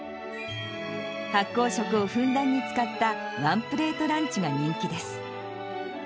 発酵食をふんだんに使ったワンプレートランチが人気です。